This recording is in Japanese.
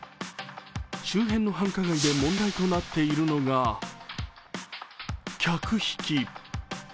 周辺の繁華街で問題となっているのが客引き。